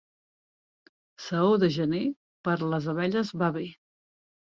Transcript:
Saó de gener per a les abelles va bé.